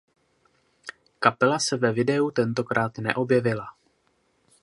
Kapela se ve videu tentokrát neobjevila.